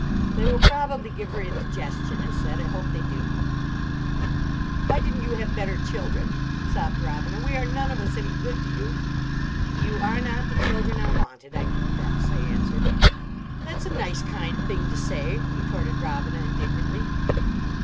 "They will probably give her indigestion," I said. "I hope they do." "Why didn't you have better children?" sobbed Robina; "we are none of us any good to you." "You are not the children I wanted, I confess," I answered. "That's a nice kind thing to say!" retorted Robina indignantly.